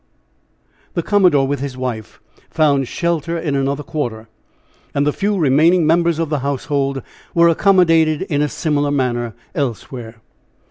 The commodore, with his wife, found shelter in another quarter. And the few remaining members of the household were accommodated in a similar manner elsewhere.